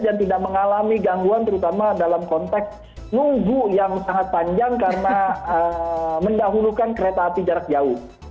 dan tidak mengalami gangguan terutama dalam konteks nunggu yang sangat panjang karena mendahulukan kereta api jarak jauh